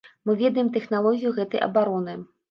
Мы ведаем тэхналогію гэтай абароны.